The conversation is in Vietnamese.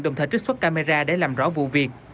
đồng thời trích xuất camera để làm rõ vụ việc